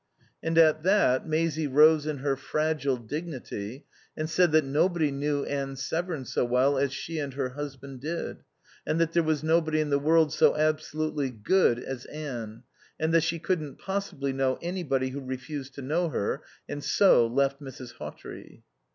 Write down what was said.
And at that Maisie rose in her fragile dignity and said that nobody knew Anne Severn so well as she and her husband did, and that there was nobody in the world so absolutely good as Anne, and that she couldn't possibly know anybody who refused to know her, and so left Mrs. Hawtrey.